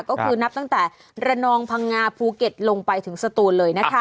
ก็คือนับตั้งแต่ระนองพังงาภูเก็ตลงไปถึงสตูนเลยนะคะ